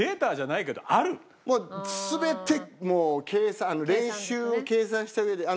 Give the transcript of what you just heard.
全てもう計算練習を計算した上で。